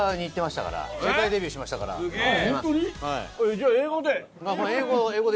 じゃあ英語で。